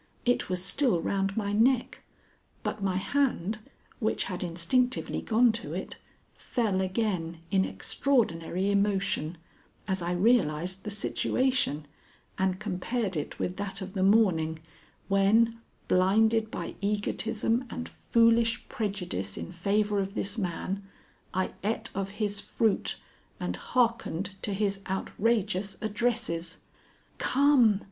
It was still round my neck, but my hand, which had instinctively gone to it, fell again in extraordinary emotion as I realized the situation and compared it with that of the morning when, blinded by egotism and foolish prejudice in favor of this man, I ate of his fruit and hearkened to his outrageous addresses. "Come!"